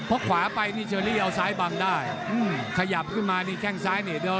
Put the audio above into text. เพราะขวาไปนี่เชอรี่เอาซ้ายบังได้ขยับขึ้นมานี่แข้งซ้ายเนี่ยเด้อ